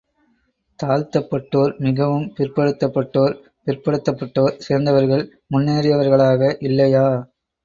தாழ்த்தப்பட்டோர், மிகவும் பிற்படுத்தப்பட்டோர், பிற்படுத்தப்பட்டோர் சேர்ந்தவர்கள் முன்னேறியவர்களாக இல்லையா?